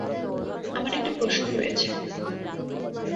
আমার একটা প্রশ্ন রয়েছে।